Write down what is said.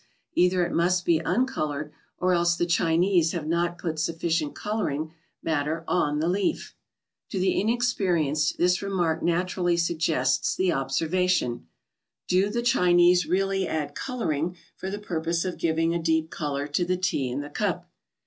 Either it must be uncoloured, or else the Chinese have not put sufficient colouring matter on the leaf!" To the inexperienced this remark naturally suggests the observation "Do the Chinese really add 'colouring' for the purpose of giving a deep colour to the Tea in the cup?"